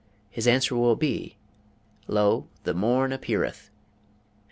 his answer will be | "Lo, the morn appeareth."